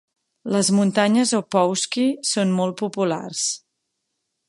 Les muntanyes Opawskie són molt populars.